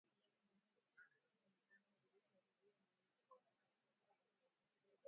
jumuia ya kujihami ya nchi za magharibi imesema